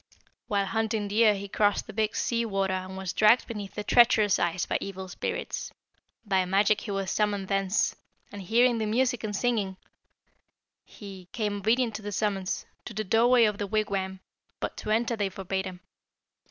"While hunting deer he crossed the Big Sea Water and was dragged beneath the treacherous ice by evil spirits. By magic he was summoned thence, and, hearing the music and singing, he, "'Came obedient to the summons, To the doorway of the wigwam, But to enter they forbade him.